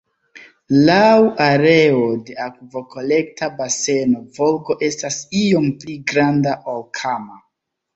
Laŭ areo de akvokolekta baseno Volgo estas iom pli granda ol Kama.